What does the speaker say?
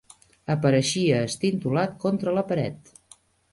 Apareixia estintolat contra la paret